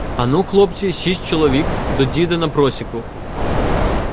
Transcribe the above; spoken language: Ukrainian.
Ану, хлопці, шість чоловік — до діда на просіку.